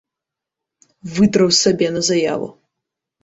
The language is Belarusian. Выдраў сабе на заяву.